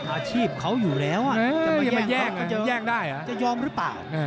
อาชีพเขาอยู่แล้วจะมาแย่งเขาจะยอมหรือเปล่า